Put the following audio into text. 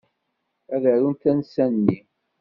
Ad arunt tansa-nni.